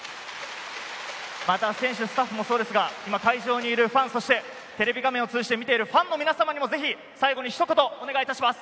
選手、スタッフもですが、会場にいるファン、テレビ画面を通じて見ているファンの皆さんにも最後にひと言お願いします。